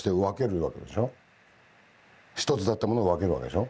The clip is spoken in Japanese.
一つだったものを分けるわけでしょ。